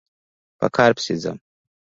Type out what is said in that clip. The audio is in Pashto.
په کار پسې ځم